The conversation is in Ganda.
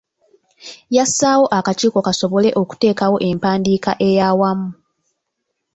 Yassaawo akakiiko kasobole okuteekawo empandiika ey’awamu.